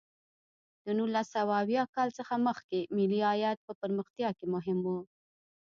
د نولس سوه اویا کال څخه مخکې ملي عاید په پرمختیا کې مهم و.